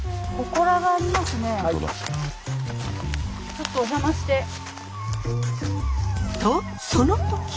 ちょっとお邪魔して。とその時！